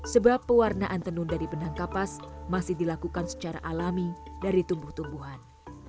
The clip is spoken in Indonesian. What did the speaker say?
sebab pewarnaan tenun dari benang kapas masih dilakukan secara alami dari tumbuh tumbuhan